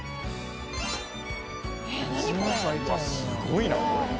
すごいなこれ。